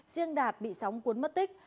riêng đạt bị sóng cuốn mất tích